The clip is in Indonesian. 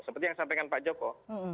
seperti yang sampaikan pak joko